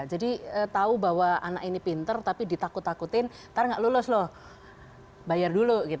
jadi tahu bahwa anak ini pinter tapi ditakut takutin nanti tidak lulus loh bayar dulu